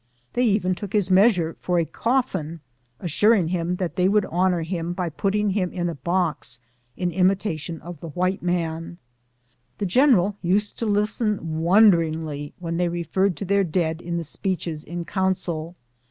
They even took his measure for a coffin, assuring him that they would honor him by putting him in a box in imita tion of the wliite man. The general used to listen won deringly when they referred to their dead in the speeches in council.